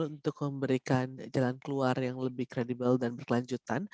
untuk memberikan jalan kembali